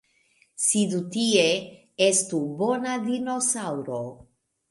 Sidu tie! Estu bona dinosaŭro!